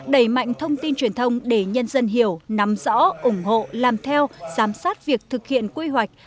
đẩy mạnh thông tin truyền thông để nhân dân hiểu nắm rõ ủng hộ làm theo giám sát việc thực hiện quy hoạch